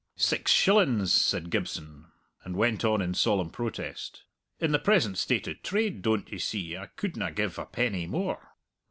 "Six shillins," said Gibson, and went on in solemn protest: "In the present state o' trade, doan't ye see, I couldna give a penny more."